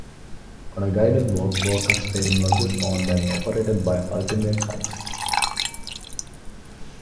On a guided walk, walkers stay in lodges owned and operated by Ultimate Hikes.